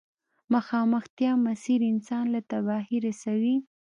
مخامختيا مسير انسان له تباهي رسوي.